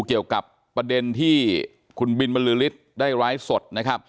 เกี่ยวกับประเด็นที่คุณบินมลือริศได้ร้ายสด